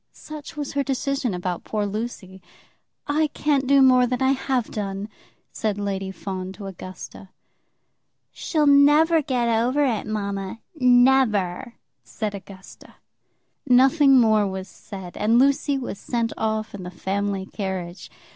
Such was her decision about poor Lucy. "I can't do more than I have done," said Lady Fawn to Augusta. "She'll never get over it, mamma; never," said Augusta. Nothing more was said, and Lucy was sent off in the family carriage.